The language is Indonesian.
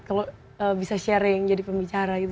kalau bisa sharing jadi pembicara gitu